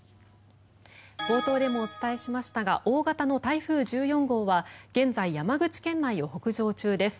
冒頭でもお伝えしましたが大型の台風１４号は現在、山口県内を北上中です。